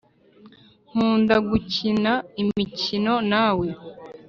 nkunda gukina imikino nawe